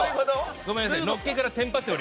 ごめんなさい。